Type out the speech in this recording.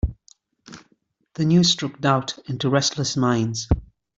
The news struck doubt into restless minds.